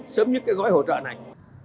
sớm nhất cái gói hỗ trợ này